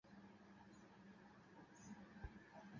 কি খেয়ে টাল হইলি ভাই, বললে ধন্যবাদ পাবি।